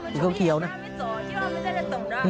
อยู่ตรงเขียวนั่น